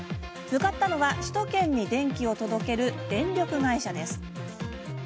向かったのは、首都圏に電気を届ける電力会社です。